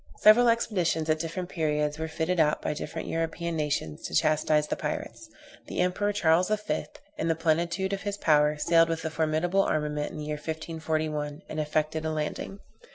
Several expeditions at different periods were fitted out by different European nations to chastise the pirates. The Emperor, Charles V., in the plenitude of his power, sailed with a formidable armament in the year 1541, and affected a landing.